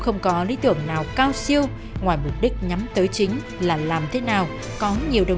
không còn nguồn tài chính hỗ trợ